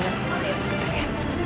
oh ya sudah ya